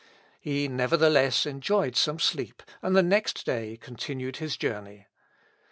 He, nevertheless, enjoyed some sleep, and the next day continued his journey.